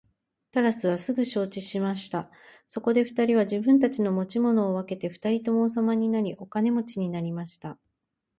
タラスはすぐ承知しました。そこで二人は自分たちの持ち物を分けて二人とも王様になり、お金持になりました。